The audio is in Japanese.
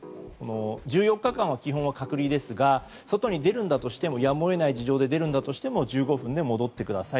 １４日間は基本的に隔離ですが外に出るにしてもやむを得ない事情で出るとしても１５分で戻ってください。